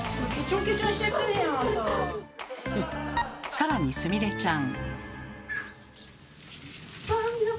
さらにすみれちゃん。